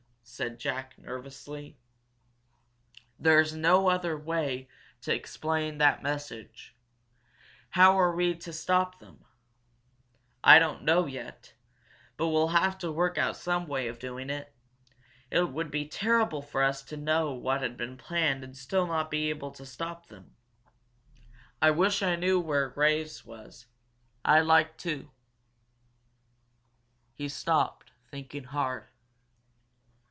said Jack, nervously. "There's no other way to explain that message. How are we going to stop them?" "I don't know yet, but we'll have to work out some way of doing it. It would be terrible for us to know what had been planned and still not be able to stop them! I wish I knew were Graves was. I'd like to ..." He stopped, thinking hard.